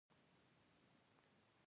د شپې ډېر ښکلی ښکاري.